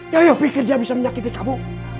yoyok pikir dia bisa menyakiti kamu